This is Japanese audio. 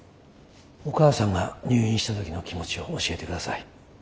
お母さんが入院した時の気持ちを教えてください。